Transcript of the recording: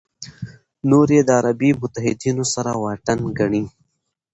نور یې د عربي متحدینو سره واټن ګڼي.